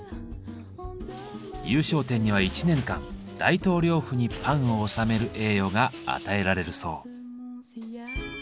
優勝店には１年間大統領府にパンを納める栄誉が与えられるそう。